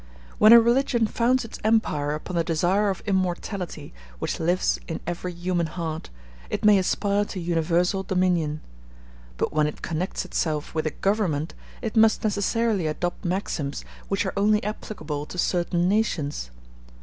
When a religion founds its empire upon the desire of immortality which lives in every human heart, it may aspire to universal dominion; but when it connects itself with a government, it must necessarily adopt maxims which are only applicable to certain nations.